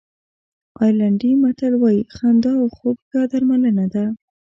آیرلېنډي متل وایي خندا او خوب ښه درملنه ده.